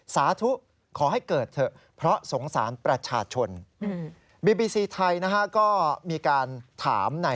สาธุขอให้เกิดเถอะเพราะสงสารประชาชน